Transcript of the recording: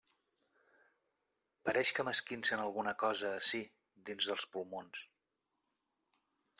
Pareix que m'esquincen alguna cosa ací, dins dels pulmons.